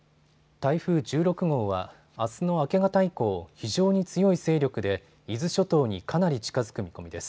台風１６号は、あすの明け方以降、非常に強い勢力で伊豆諸島にかなり近づく見込みです。